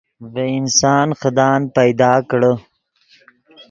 ڤے انسان خدان پیدا کڑے